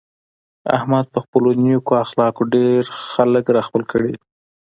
احمد په خپلو نېکو اخلاقو ډېر خلک را خپل کړي دي.